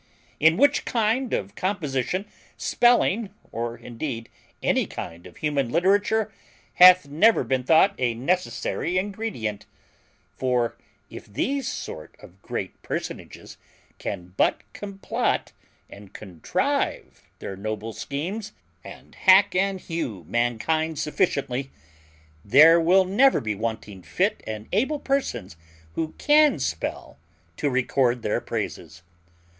In which kind of composition spelling, or indeed any kind of human literature, hath never been thought a necessary ingredient; for if these sort of great personages can but complot and contrive their noble schemes, and hack and hew mankind sufficiently, there will never be wanting fit and able persons who can spell to record their praises.